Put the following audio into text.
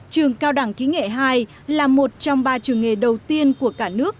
trường cao đẳng kỹ nghệ hai là một trong ba trường nghề đầu tiên của cả nước